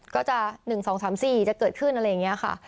ก็จะ๑๒๓๔จะเกิดขึ้นอะไรอย่างนี้ค่ะ